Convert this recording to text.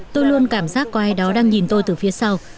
tôi luôn cảm giác có ai đó đang nhìn tôi từ phía sau